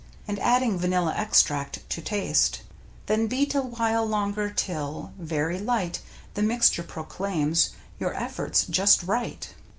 And adding vanilla extract to taste; Then beat a while longer till, very light, The mixture proclaims your efforts just L right.